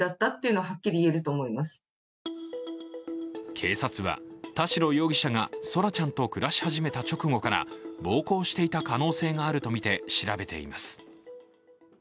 警察は田代容疑者が空来ちゃんと暮らし始めた直後から暴行していた可能性があるとみて調べています。